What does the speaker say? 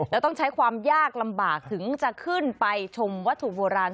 แล้วต้องใช้ความยากลำบากถึงจะขึ้นไปชมวัตถุโบราณ